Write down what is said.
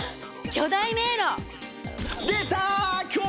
巨大迷路！